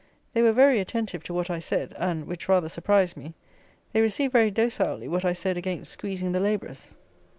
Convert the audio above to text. They were very attentive to what I said, and, which rather surprised me, they received very docilely what I said against squeezing the labourers.